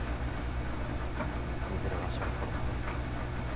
いずれわしは殺される。